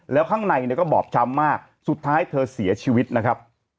แล้วข้างในเนี่ยก็บอบช้ำมากสุดท้ายเธอเสียชีวิตนะครับ